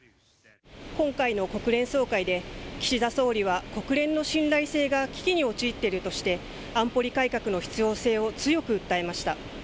今回の国連総会で、岸田総理は国連の信頼性が危機に陥っているとして、安保理改革の必要性を強く訴えました。